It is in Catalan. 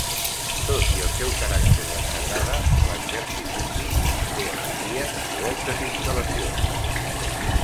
Tot i el seu caràcter de sagrada l'exèrcit indi hi manté avui dia diverses instal·lacions.